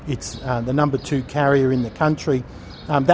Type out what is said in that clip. ini adalah karier nomor dua di negara